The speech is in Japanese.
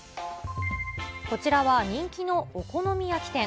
こちらは人気のお好み焼き店。